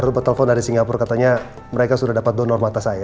terus bertelpon dari singapura katanya mereka sudah dapat donor mata saya